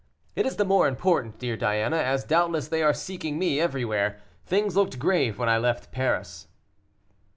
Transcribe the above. It is the more important, dear Diana, as doubtless they are seeking me everywhere. Things looked grave when I left Paris.